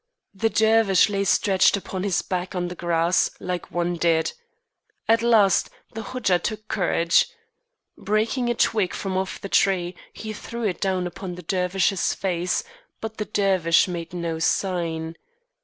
The Dervish lay stretched upon his back on the grass like one dead. At last the Hodja took courage. Breaking a twig from off the tree, he threw it down upon the Dervish's face, but the Dervish made no sign.